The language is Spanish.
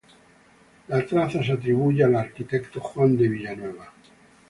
La traza se atribuye al arquitecto Juan de Villanueva.